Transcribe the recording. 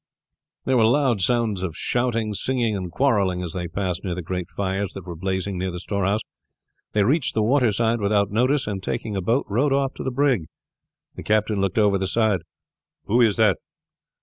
There were loud sounds of shouting, singing, and quarreling as they passed near the great fires that were blazing near the storehouse. They reached the waterside without notice, and taking a boat rowed off to the brig. The captain looked over the side: "Who is that?"